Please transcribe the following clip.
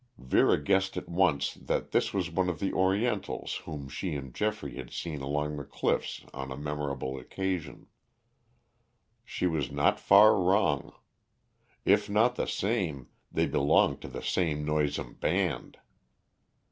Vera guessed at once that this was one of the Orientals whom she and Geoffrey had seen along the cliffs on a memorable occasion. She was not far wrong. If not the same, they belonged to the same noisome band.